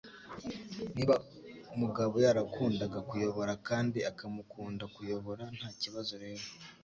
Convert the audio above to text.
Niba Mugabo yarakundaga kuyobora, kandi akamukunda kuyobora, ntakibazo rero.